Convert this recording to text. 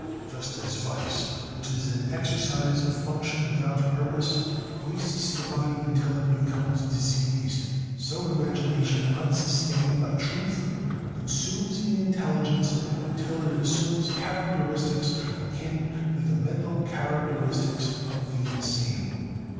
Just as vice, which is an exercise of function without purpose, wastes the body until it becomes diseased, so imagination unsustained by truth consumes the intelligence until it assumes characteristics akin to the mental characteristics of the insane.